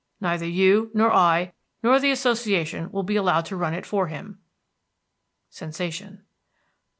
Neither you, nor I, nor the Association will be allowed to run it for him. [Sensation.